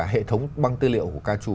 hệ thống băng tư liệu của ca trù